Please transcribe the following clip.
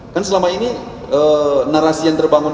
kan selama ini narasi yang terbangun